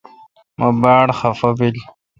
مہ باڑ خفہ بیل۔